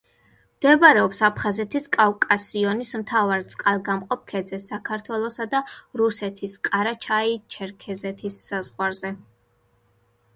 მდებარეობს აფხაზეთის კავკასიონის მთავარ წყალგამყოფ ქედზე, საქართველოსა და რუსეთის ყარაჩაი-ჩერქეზეთის საზღვარზე.